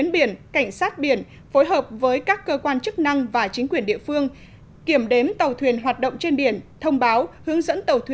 chín bộ quốc phòng